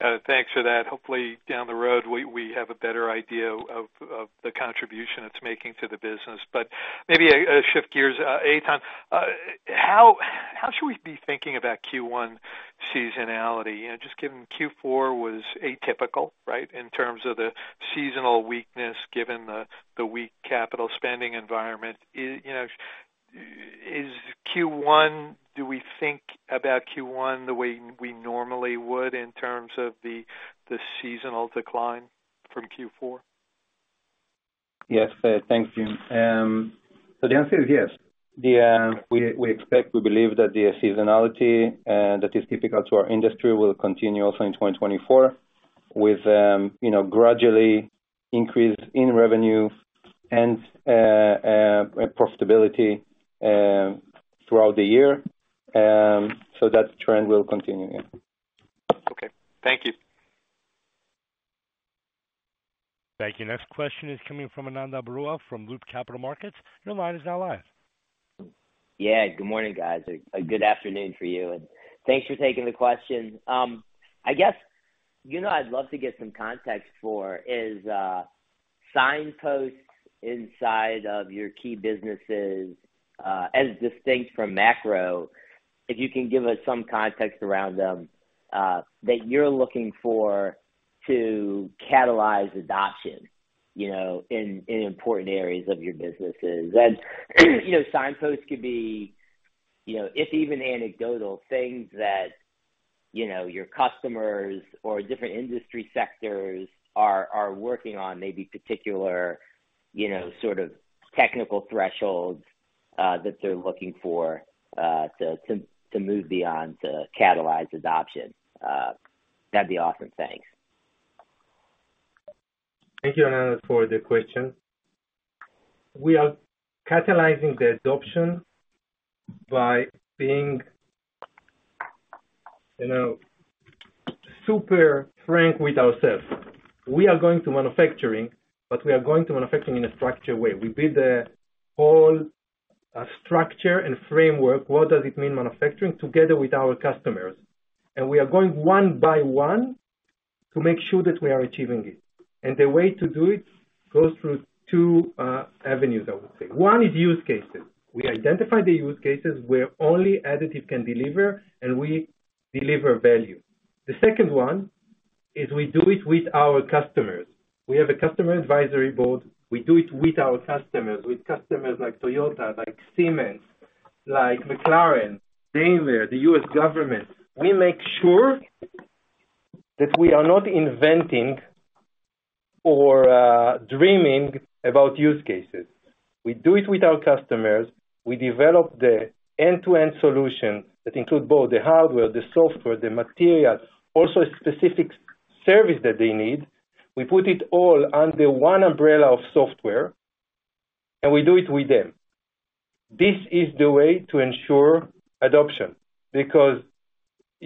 Speaker 7: Thanks for that. Hopefully, down the road, we have a better idea of the contribution it's making to the business. But maybe I shift gears. Eitan, how should we be thinking about Q1 seasonality? You know, just given Q4 was atypical, right, in terms of the seasonal weakness, given the weak capital spending environment. You know, is Q1, do we think about Q1 the way we normally would in terms of the seasonal decline from Q4?
Speaker 4: Yes, thanks, Jim. So the answer is yes. We expect, we believe that the seasonality that is typical to our industry will continue also in 2024 with, you know, gradually increase in revenue and profitability throughout the year. So that trend will continue, yeah.
Speaker 7: Okay, thank you.
Speaker 1: Thank you. Next question is coming from Ananda Baruah, from Loop Capital Markets. Your line is now live.
Speaker 8: Yeah, good morning, guys, or good afternoon for you, and thanks for taking the question. I guess, you know, I'd love to get some context for is signposts inside of your key businesses, as distinct from macro, if you can give us some context around them, that you're looking for to catalyze adoption, you know, in, in important areas of your businesses. And, you know, signposts could be, you know, if even anecdotal things that, you know, your customers or different industry sectors are working on, maybe particular, you know, sort of technical thresholds that they're looking for, to move beyond, to catalyze adoption. That'd be awesome. Thanks.
Speaker 3: Thank you, Ananda, for the question. We are catalyzing the adoption by being, you know, super frank with ourselves. We are going to manufacturing, but we are going to manufacturing in a structured way. We build the whole structure and framework, what does it mean manufacturing, together with our customers. And we are going one by one to make sure that we are achieving it. And the way to do it goes through two avenues, I would say. One is use cases. We identify the use cases where only additive can deliver, and we deliver value. The second one is we do it with our customers. We have a customer advisory board. We do it with our customers, with customers like Toyota, like Siemens, like McLaren, Daimler, the U.S. government. We make sure that we are not inventing or dreaming about use cases. We do it with our customers. We develop the end-to-end solution that include both the hardware, the software, the materials, also specific service that they need. We put it all under one umbrella of software, and we do it with them. This is the way to ensure adoption, because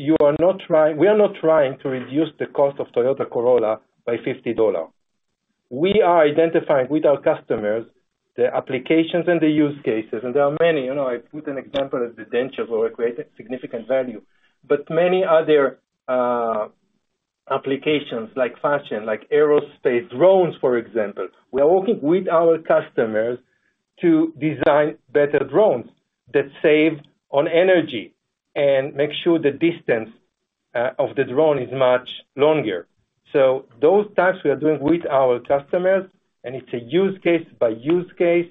Speaker 3: you are not trying—we are not trying to reduce the cost of Toyota Corolla by $50. We are identifying with our customers the applications and the use cases, and there are many. You know, I put an example of the dentures, where we created significant value, but many other applications like fashion, like aerospace, drones, for example. We are working with our customers to design better drones that save on energy and make sure the distance of the drone is much longer. So those tasks we are doing with our customers, and it's a use case by use case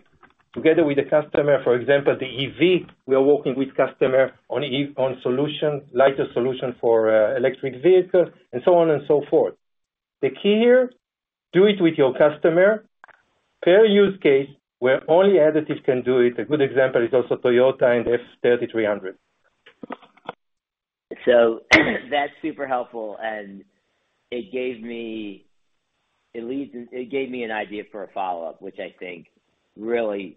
Speaker 3: together with the customer. For example, the EV, we are working with customer on EON solution, lighter solution for electric vehicles, and so on and so forth. The key here, do it with your customer per use case where only additives can do it. A good example is also Toyota and F3300.
Speaker 8: So that's super helpful, and it gave me... It leads, it gave me an idea for a follow-up, which I think really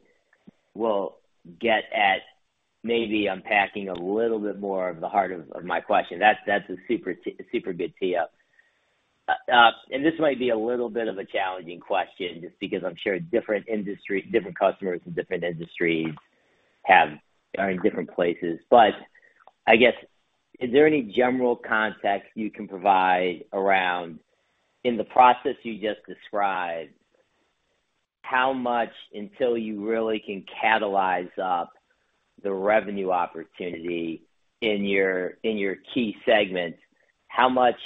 Speaker 8: will get at maybe unpacking a little bit more of the heart of, of my question. That's, that's a super super good tee up. And this might be a little bit of a challenging question, just because I'm sure different industry- different customers in different industries have, are in different places. But I guess, is there any general context you can provide around, in the process you just described, how much until you really can catalyze up the revenue opportunity in your, in your key segments? How much,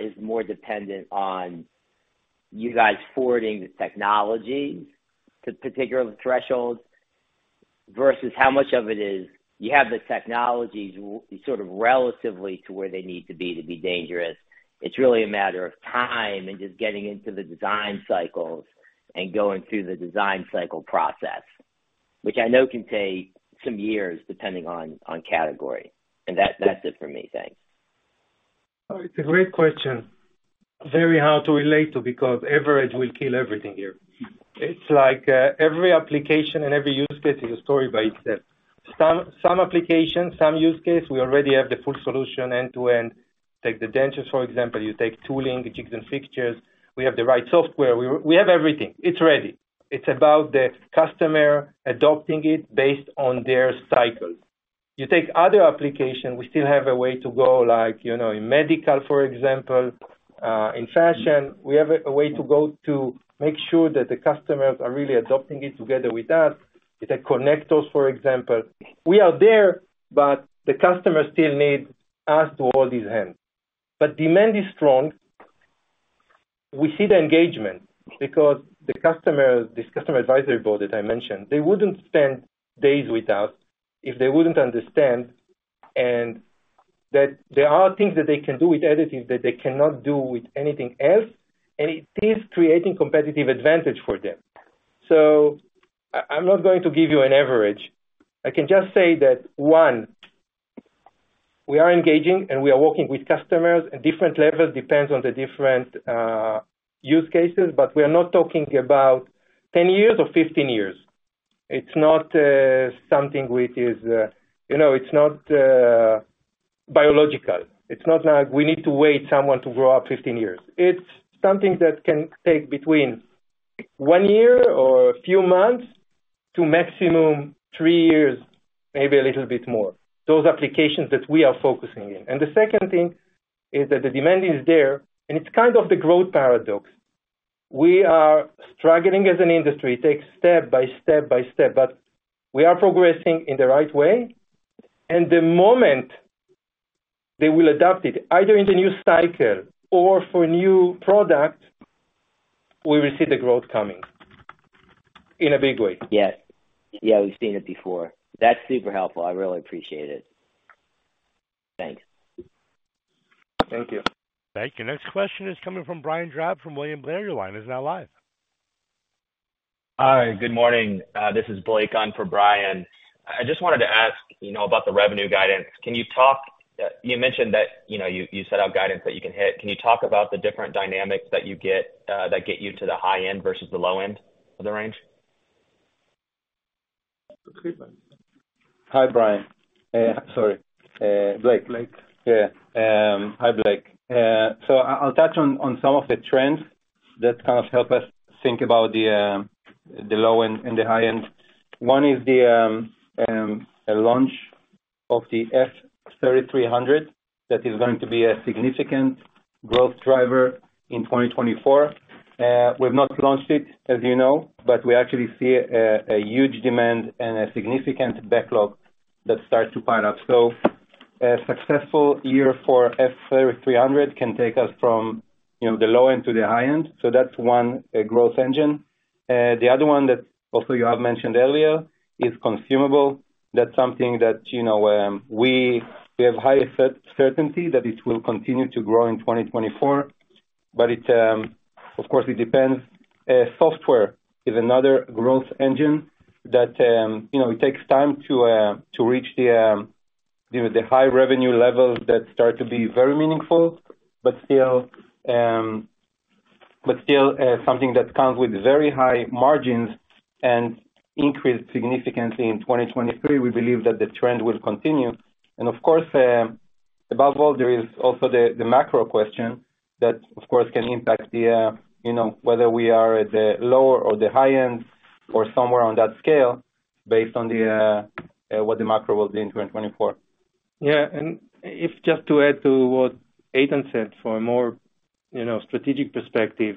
Speaker 8: is more dependent on you guys forwarding the technology to particular thresholds, versus how much of it is you have the technologies sort of relatively to where they need to be to be dangerous? It's really a matter of time and just getting into the design cycles and going through the design cycle process, which I know can take some years, depending on category. And that's it for me. Thanks.
Speaker 3: Oh, it's a great question. Very hard to relate to, because average will kill everything here. It's like, every application and every use case is a story by itself. Some, some applications, some use case, we already have the full solution end-to-end. Take the dentures, for example. You take tooling, jigs and fixtures. We have the right software. We, we have everything. It's ready. It's about the customer adopting it based on their cycles. You take other application, we still have a way to go, like, you know, in medical, for example, in fashion, we have a, a way to go to make sure that the customers are really adopting it together with us. With the connectors, for example. We are there, but the customer still need us to hold his hand. But demand is strong. We see the engagement because the customer, this customer advisory board that I mentioned, they wouldn't spend days with us if they wouldn't understand, and that there are things that they can do with additive that they cannot do with anything else, and it is creating competitive advantage for them. So I, I'm not going to give you an average. I can just say that. We are engaging and we are working with customers at different levels, depends on the different use cases, but we are not talking about 10 years or 15 years. It's not something which is, you know, it's not biological. It's not like we need to wait someone to grow up 15 years. It's something that can take between 1 year or a few months to maximum 3 years, maybe a little bit more. Those applications that we are focusing in. The second thing is that the demand is there, and it's kind of the growth paradox. We are struggling as an industry, take step by step by step, but we are progressing in the right way. And the moment they will adopt it, either in the new cycle or for a new product, we will see the growth coming in a big way.
Speaker 8: Yes. Yeah, we've seen it before. That's super helpful. I really appreciate it. Thanks.
Speaker 1: Thank you. Thank you. Next question is coming from Brian Drab from William Blair. Line is now live.
Speaker 9: Hi, good morning. This is Blake on for Brian. I just wanted to ask, you know, about the revenue guidance. Can you talk? You mentioned that, you know, you, you set out guidance that you can hit. Can you talk about the different dynamics that you get, that get you to the high end versus the low end of the range?
Speaker 3: Hi, Brian. Sorry, Blake.
Speaker 9: Blake.
Speaker 4: Yeah. Hi, Blake. So I'll touch on some of the trends that kind of help us think about the low end and the high end. One is the launch of the F3300. That is going to be a significant growth driver in 2024. We've not launched it, as you know, but we actually see a huge demand and a significant backlog that starts to pile up. So a successful year for F3300 can take us from, you know, the low end to the high end. So that's one growth engine. The other one that also you have mentioned earlier is consumable. That's something that, you know, we have high certainty that it will continue to grow in 2024, but of course, it depends. Software is another growth engine that, you know, it takes time to reach the, you know, the high revenue levels that start to be very meaningful, but still, but still, something that comes with very high margins and increased significantly in 2023. We believe that the trend will continue. And of course, above all, there is also the macro question. That, of course, can impact the, you know, whether we are at the lower or the high end or somewhere on that scale based on the what the macro will be in 2024. Yeah, and if just to add to what Eitan said, for a more, you know, strategic perspective.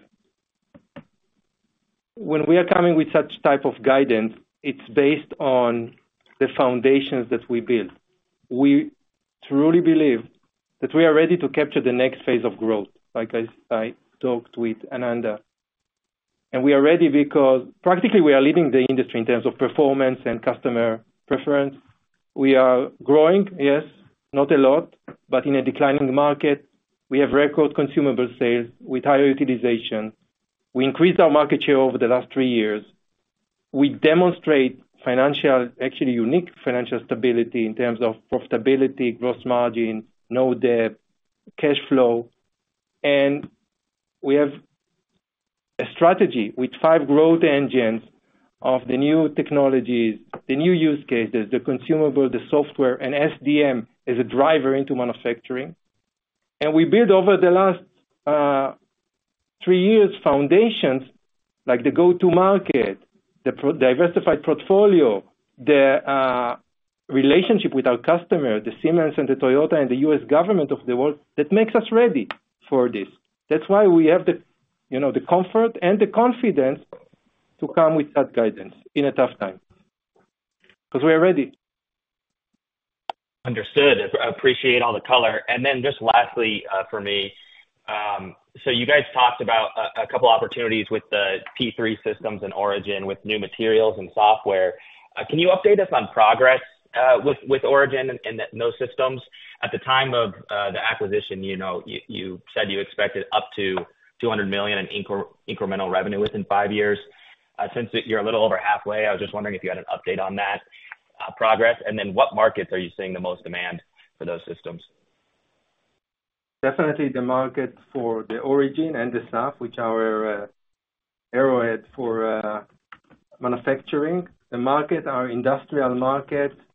Speaker 4: When we are coming with such type of guidance, it's based on the foundations that we build. We truly believe that we are ready to capture the next phase of growth, like I, I talked with Ananda. We are ready because practically we are leading the industry in terms of performance and customer preference. We are growing, yes, not a lot, but in a declining market, we have record consumable sales with higher utilization. We increased our market share over the last three years. We demonstrate financial, actually unique financial stability in terms of profitability, gross margin, no debt, cash flow, and we have a strategy with five growth engines of the new technologies, the new use cases, the consumable, the software, and SDM as a driver into manufacturing.
Speaker 3: We built over the last three years foundations like the go-to-market, the product-diversified portfolio, the relationship with our customer, the Siemens and the Toyota and the U.S. government of the world, that makes us ready for this. That's why we have the, you know, the comfort and the confidence to come with that guidance in a tough time, 'cause we are ready.
Speaker 8: Understood. I appreciate all the color. And then just lastly, for me, so you guys talked about a couple opportunities with the P3 systems and Origin, with new materials and software. Can you update us on progress with Origin and those systems? At the time of the acquisition, you know, you said you expected up to $200 million in incremental revenue within five years. Since you're a little over halfway, I was just wondering if you had an update on that progress, and then what markets are you seeing the most demand for those systems?
Speaker 3: Definitely the market for the Origin and the SAF, which are aimed at manufacturing. The markets are industrial markets, high-end,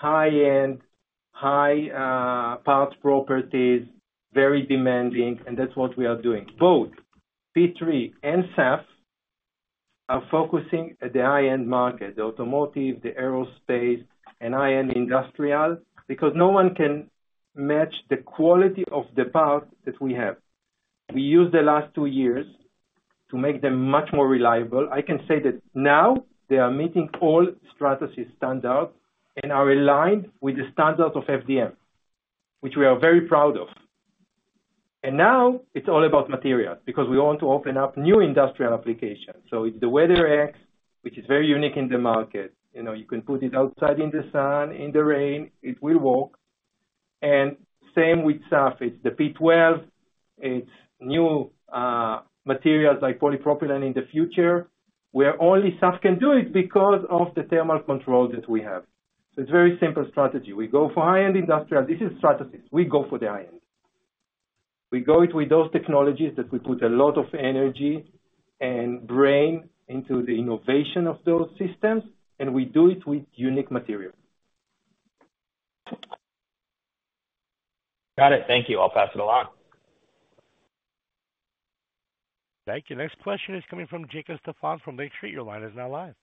Speaker 3: high parts properties, very demanding, and that's what we are doing. Both P3 and SAF are focusing at the high-end market, the automotive, the aerospace, and high-end industrial, because no one can match the quality of the parts that we have. We used the last two years to make them much more reliable. I can say that now they are meeting all Stratasys standards and are aligned with the standards of FDM, which we are very proud of. And now it's all about materials, because we want to open up new industrial applications. So it's the WeatherX, which is very unique in the market. You know, you can put it outside in the sun, in the rain, it will work. And same with surface, the P12-... It's new materials like polypropylene in the future, where only Stratasys can do it because of the thermal control that we have. It's very simple strategy. We go for high-end industrial. This is Stratasys. We go for the high-end. We go it with those technologies that we put a lot of energy and brain into the innovation of those systems, and we do it with unique materials.
Speaker 8: Got it. Thank you. I'll pass it along.
Speaker 1: Thank you. Next question is coming from Jacob Stephan from Lake Street. Your line is now live.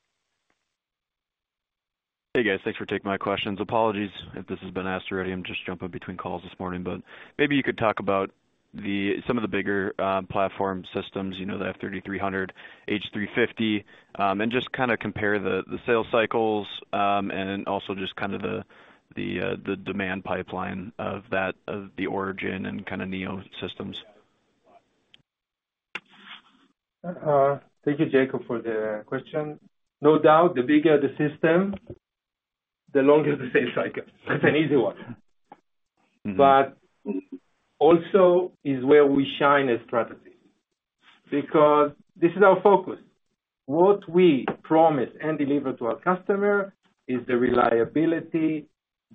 Speaker 10: Hey, guys. Thanks for taking my questions. Apologies if this has been asked already. I'm just jumping between calls this morning, but maybe you could talk about the some of the bigger platform systems, you know, the F3300, H350, and just kinda compare the sales cycles, and then also just kind of the demand pipeline of that, of the Origin and kinda Neo systems.
Speaker 3: Thank you, Jacob, for the question. No doubt, the bigger the system, the longer the sales cycle. That's an easy one.
Speaker 10: Mm-hmm.
Speaker 3: But also is where we shine as Stratasys, because this is our focus. What we promise and deliver to our customer is the reliability,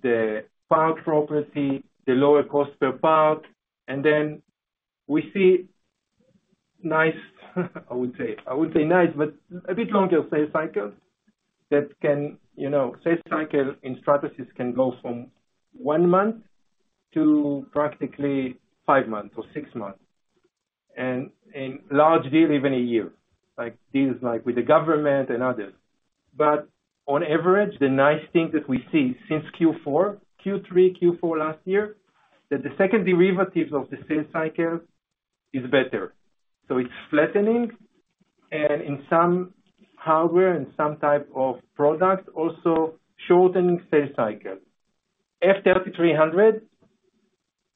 Speaker 3: the part property, the lower cost per part, and then we see nice, I would say, I would say nice, but a bit longer sales cycle that can... You know, sales cycle in Stratasys can go from one month to practically five months or six months, and in large deal, even a year, like, deals like with the government and others. But on average, the nice thing that we see since Q4, Q3, Q4 last year, that the second derivative of the sales cycle is better. So it's flattening, and in some hardware, in some type of products, also shortening sales cycles. F3300,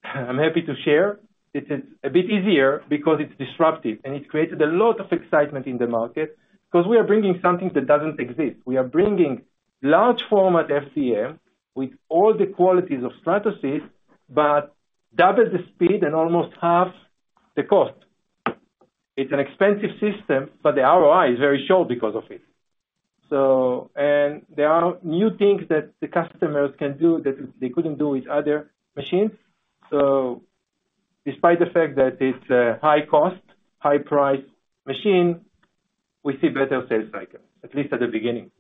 Speaker 3: I'm happy to share. It is a bit easier because it's disruptive, and it created a lot of excitement in the market because we are bringing something that doesn't exist. We are bringing large format FDM with all the qualities of Stratasys, but double the speed and almost half the cost. It's an expensive system, but the ROI is very short because of it. So, and there are new things that the customers can do that they couldn't do with other machines. So despite the fact that it's a high cost, high price machine, we see better sales cycle, at least at the beginning.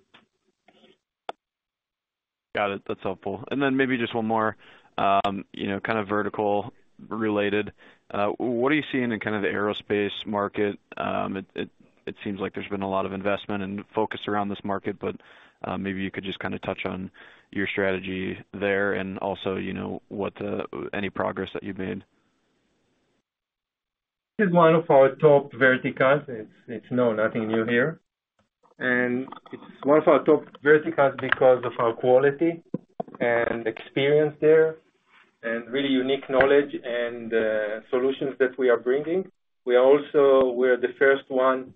Speaker 10: Got it. That's helpful. And then maybe just one more, you know, kind of vertical related. What are you seeing in kind of the aerospace market? It seems like there's been a lot of investment and focus around this market, but maybe you could just kinda touch on your strategy there and also, you know, what the, any progress that you've made.
Speaker 3: This is one of our top verticals. It's nothing new here. It's one of our top verticals because of our quality and experience there, and really unique knowledge and solutions that we are bringing. We also we're the first one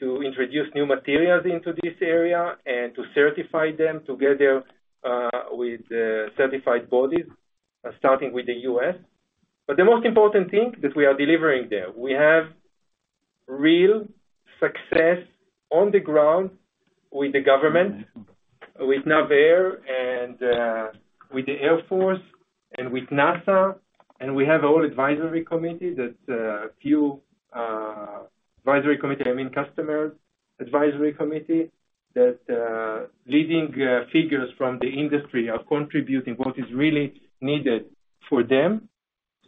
Speaker 3: to introduce new materials into this area and to certify them together with the certified bodies, starting with the U.S. But the most important thing that we are delivering there. We have real success on the ground with the government, with NAVAIR and with the Air Force and with NASA, and we have our advisory committee, I mean, customers advisory committee, that leading figures from the industry are contributing what is really needed for them.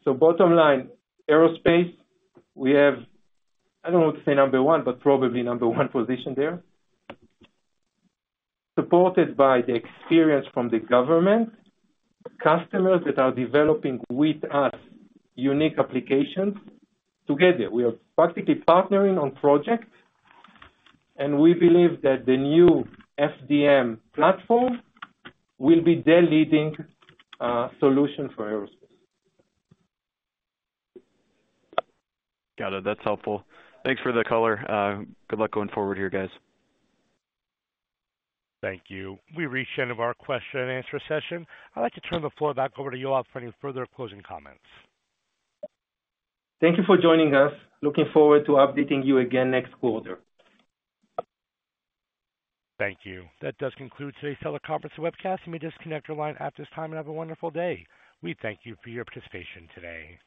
Speaker 3: So bottom line, aerospace, we have, I don't want to say number one, but probably number one position there. Supported by the experience from the government, customers that are developing with us unique applications together. We are practically partnering on projects, and we believe that the new FDM platform will be the leading solution for aerospace.
Speaker 10: Got it. That's helpful. Thanks for the color. Good luck going forward here, guys.
Speaker 1: Thank you. We've reached the end of our question and answer session. I'd like to turn the floor back over to you, Yoav, for any further closing comments.
Speaker 3: Thank you for joining us. Looking forward to updating you again next quarter.
Speaker 1: Thank you. That does conclude today's teleconference and webcast. You may disconnect your line at this time and have a wonderful day. We thank you for your participation today.